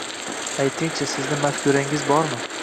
Ayting-chi, sizning mafkurangiz bormi